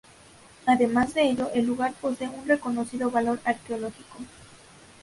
Además de ello, el lugar posee un reconocido valor arqueológico.